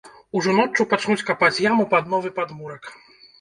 Ужо ноччу пачнуць капаць яму пад новы падмурак.